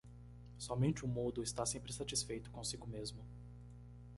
Somente o mudo está sempre satisfeito consigo mesmo.